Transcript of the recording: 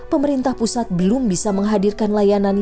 pemerintah pusat belum bisa menghadirkan layanan